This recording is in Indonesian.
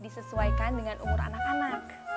disesuaikan dengan umur anak anak